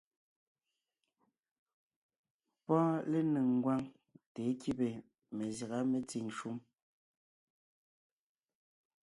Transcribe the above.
Pɔ́ɔn lénéŋ ngwáŋ tà é kíbe mezyága metsìŋ shúm.